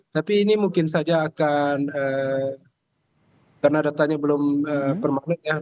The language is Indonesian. tapi ini mungkin saja akan karena datanya belum permanen ya